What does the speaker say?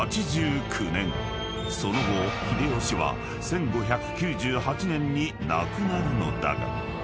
［その後秀吉は１５９８年に亡くなるのだが］